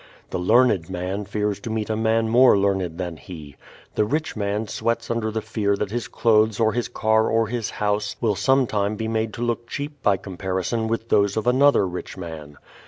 The learned man fears to meet a man more learned than he. The rich man sweats under the fear that his clothes or his car or his house will sometime be made to look cheap by comparison with those of another rich man.